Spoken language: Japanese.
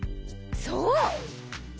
そう！